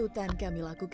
akhirnya kami sampai